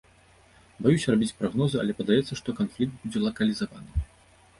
Баюся рабіць прагнозы, але падаецца, што канфлікт будзе лакалізаваны.